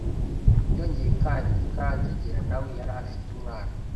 Byongeye kandi Kanjogera nawe yari afite umwana